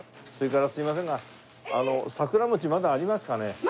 それからすいませんが桜餅まだありますかね？